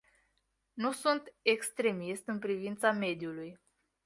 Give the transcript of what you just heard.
Nu sunt extremist în privința mediului.